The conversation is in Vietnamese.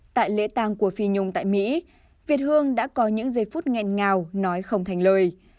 tại lễ tàng của phi nhung tại mỹ việt hương đã có những giây phút nghẹn ngào nói không thành lời